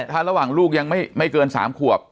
ถ้าระหว่างลูกยังไม่เกิน๓ขวบ